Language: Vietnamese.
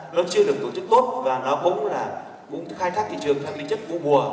nó chưa được tổ chức tốt và nó cũng là khai thác thị trường tham lý chất vô bùa